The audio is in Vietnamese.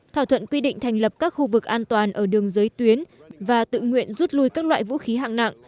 thỏa thuận quy định thành lập các khu vực an toàn ở đường giới tuyến và tự nguyện rút lui các loại vũ khí hạng nặng